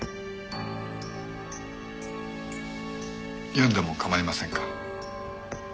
読んでも構いませんか？